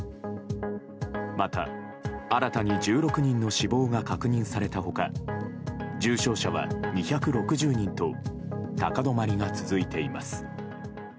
また、新たに１６人の死亡が確認された他重症者は２６０人と高止まりが続いています。